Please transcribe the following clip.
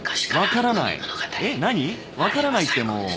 分からないってもう。